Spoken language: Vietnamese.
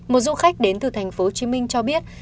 một du khách đến từ thành phố hồ chí minh cho biết